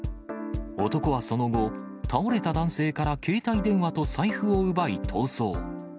男はその後、倒れた男性から携帯電話と財布を奪い、逃走。